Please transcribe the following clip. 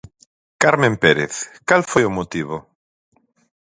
Carmen Pérez, cal foi o motivo?